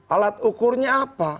alat ukurnya apa